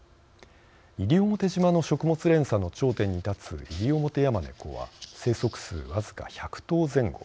西表島の食物連鎖の頂点に立つイリオモテヤマネコは生息数、僅か１００頭前後。